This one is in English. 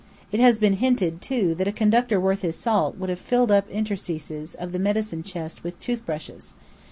It has been hinted, too, that a conductor worth his salt would have filled up interstices of the medicine chest with toothbrushes.